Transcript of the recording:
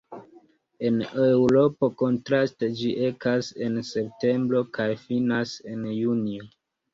En Eŭropo, kontraste, ĝi ekas en septembro kaj finas en junio.